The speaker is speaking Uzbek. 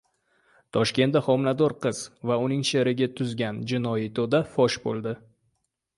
Toshkentda homilador qiz va uning sherigi tuzgan jinoiy to‘da fosh bo‘ldi